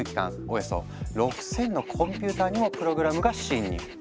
およそ６，０００のコンピューターにもプログラムが侵入。